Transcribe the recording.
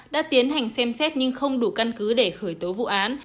đã tiến hành xem xét nhưng không đủ căn cứ để khởi tố vụ án